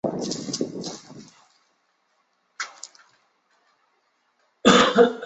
而且前装甲对于破片杀伤防御能力不足。